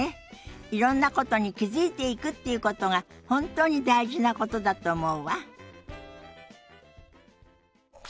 いろんなことに気付いていくっていうことが本当に大事なことだと思うわ。